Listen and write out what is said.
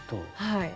はい。